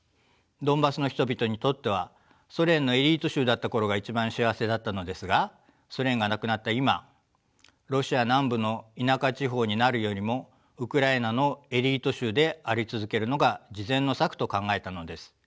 ドンバスの人々にとってはソ連のエリート州だった頃が一番幸せだったのですがソ連がなくなった今ロシア南部の田舎地方になるよりもウクライナのエリート州であり続けるのが次善の策と考えたのです。